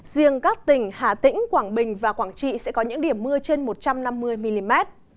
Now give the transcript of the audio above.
riêng các tỉnh hà tĩnh quảng bình và quảng trị sẽ có những điểm mưa trên một trăm năm mươi mm